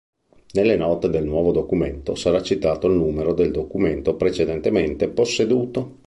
Nelle note del nuovo documento sarà citato il numero del documento precedentemente posseduto.